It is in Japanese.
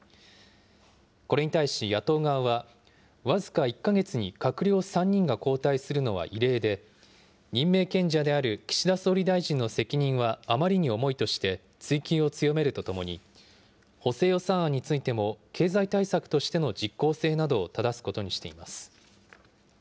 これに対し野党側は、僅か１か月に閣僚３人が交代するのは異例で、任命権者である岸田総理大臣の責任はあまりに重いとして、追及を強めるとともに、補正予算案についても、経済対策としての実効性などをただすことにしています。